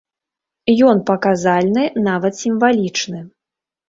Ён паказальны, нават сімвалічны.